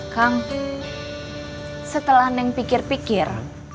kampung setelah neng pikir pikir